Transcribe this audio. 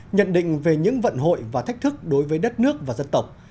nhận định về những vận hội và thách thức đối với đất nước và dân tộc